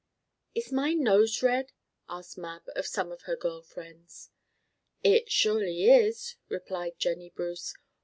"Is my nose red?" asked Mab of some of her girl friends. "It surely is!" replied Jennie Bruce.